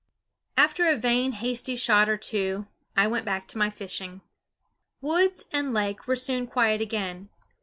After a vain, hasty shot or two I went back to my fishing. Woods and lake were soon quiet again.